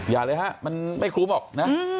อย่าเลยครับมันไม่คุ้มออกนะ